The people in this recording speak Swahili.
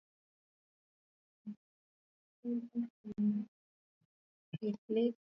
ali ya usalama nchini libya ni mbaya na rais mohamed gaddafi aamua kulihutubia taifa